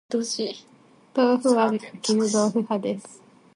豆腐は絹豆腐派です